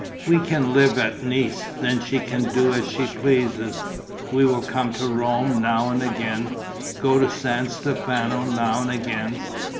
"We can live at Nice: then she can do as she pleases. We will come to Rome now and again, go to San Stefano now and again.